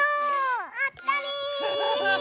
あったり！